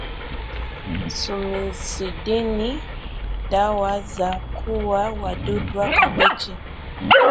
Sumicidinni dawa za kuuwa wadudwa kabichi